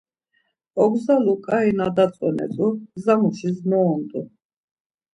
Ogzalu ǩai na datzonet̆u, gzamuşis noont̆u.